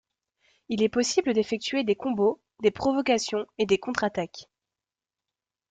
Il est possible d'effectuer des combos, des provocations et des contre-attaques.